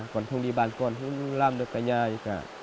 còn không đi bà con không làm được cái nhà gì cả